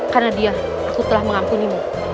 karena dia aku telah mengampunimu